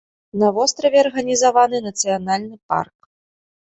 На востраве арганізаваны нацыянальны парк.